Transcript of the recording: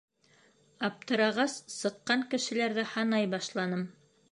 Аптырағас, сыҡҡан кешеләрҙе һанай башланым.